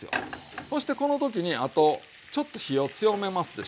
そしてこの時にあとちょっと火を強めますでしょ。